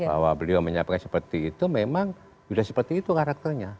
bahwa beliau menyampaikan seperti itu memang sudah seperti itu karakternya